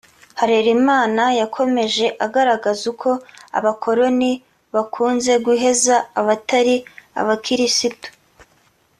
Harerimana yakomeje agaragaza uko Abakoloni bakunze guheza abatari Abakirisitu